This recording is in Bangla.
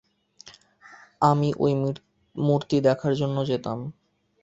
আমি ঐ মূর্তি দেখার জন্যে যেতাম।